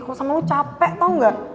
kok sama lu capek tau gak